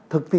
thực tiên là